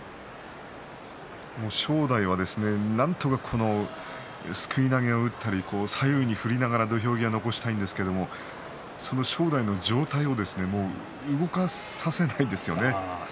正代はですね、なんとかすくい投げを打ったり左右に振りながら土俵際残したいんですけどそんな正代の上体を動かさせないですよね。